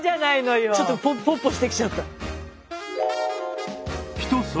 ちょっとポッポしてきちゃった。